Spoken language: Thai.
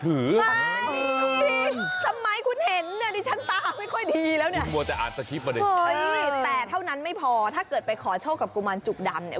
เอเท่านั้นไม่พอถ้าเกิดไปขอโชคกับกุมารจุกดำ